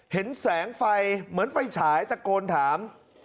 เห็นแสงไฟเหมือนไฟฉายตะโกนถาม